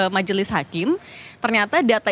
majelis hakim ternyata data